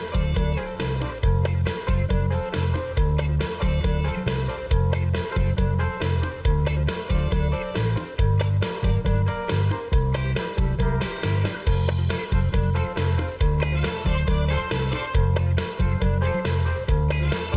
สวัสดีครับ